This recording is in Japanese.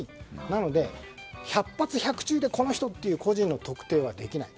なので百発百中でこの人という個人の特定はできない。